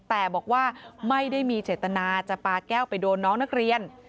แต่บอกว่าไม่ได้มีเจตนาจะปาแก้วไปโดนน้องนักเรียน